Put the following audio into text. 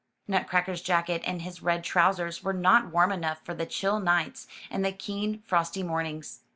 Nutcracker's jacket and his red trousers were not warm enough for the chill nights and the keen, frosty mornings.